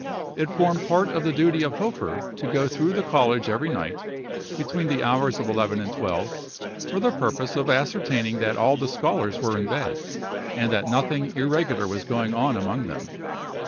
It formed part of the duty of Hofer to go through the college every night, between the hours of eleven and twelve, for the purpose of ascertaining that all the scholars were in bed, and that nothing irregular was going on among them.